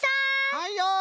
はいよい！